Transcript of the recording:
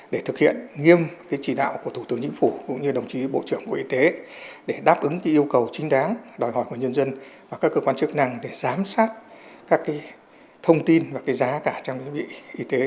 để thực hiện nghiêm chỉ đạo của thủ tướng chính phủ cũng như đồng chí bộ trưởng bộ y tế để đáp ứng yêu cầu chính đáng đòi hỏi của nhân dân và các cơ quan chức năng để giám sát các thông tin và giá cả trang thiết bị y tế